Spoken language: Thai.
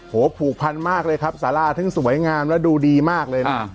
ผูกพันมากเลยครับสาราซึ่งสวยงามและดูดีมากเลยนะ